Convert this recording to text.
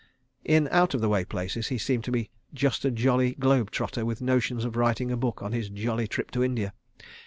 In out of the way places he seemed to be just a jolly globe trotter with notions of writing a book on his jolly trip to India.